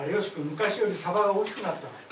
昔よりサバが大きくなったのよ。